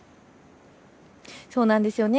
そうなんですよね。